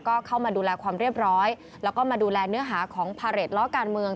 ก็เข้ามาดูแลความเรียบร้อยแล้วก็มาดูแลเนื้อหาของพาเรทล้อการเมือง